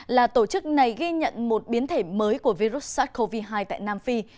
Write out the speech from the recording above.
là tổ chức này ghi nhận một biến thể mới của virus sars cov hai tại nam phi